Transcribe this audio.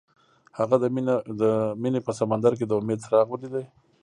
هغه د مینه په سمندر کې د امید څراغ ولید.